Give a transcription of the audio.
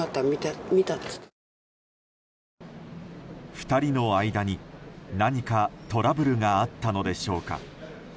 ２人の間に、何かトラブルがあったのでしょうか。